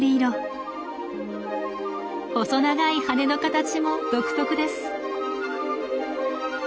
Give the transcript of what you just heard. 細長い羽の形も独特です。